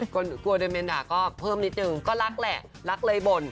กลัวเดเมนด่าก็เพิ่มนิดนึงก็รักแหละรักเลยบ่น